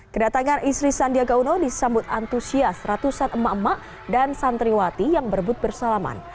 kedatangan istri sandiaga uno disambut antusias ratusan emak emak dan santriwati yang berebut bersalaman